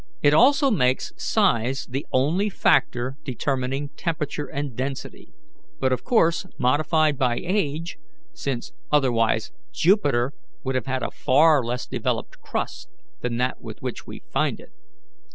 It also makes size the only factor determining temperature and density, but of course modified by age, since otherwise Jupiter would have a far less developed crust than that with which we find it.